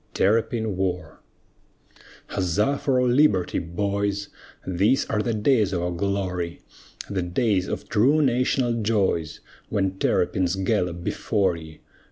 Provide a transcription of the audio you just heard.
TERRAPIN WAR Huzza for our liberty, boys, These are the days of our glory The days of true national joys, When terrapins gallop before ye!